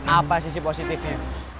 apa sisi positifnya